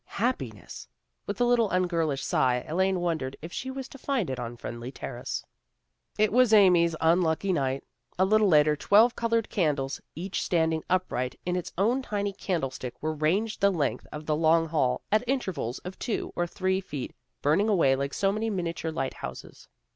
Happiness! With a little ungirlish sigh Elaine wondered if she was to find it on Friendly Terrace. It was Amy's unlucky night. A little later, twelve colored candles, each standing upright in its own tiny candle stick, were ranged the length of the long hall, at intervals of two or three feet, burning away like so many miniature light houses.